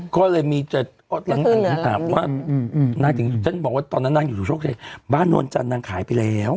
ก็เลยมีอ๋อคุณสงกรานก็บอกว่าตอนนั้นนั่งอยู่ด้วยโชคชัยบ้านนวลจันนางขายไปแล้ว